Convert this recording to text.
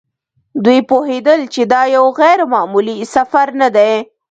دوی پوهېدل چې دا یو غیر معمولي سفر نه دی.